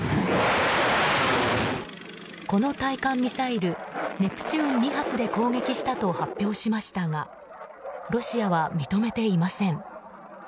この対艦ミサイルネプチューン２発で攻撃したと発表しましたがロシアは認めていません。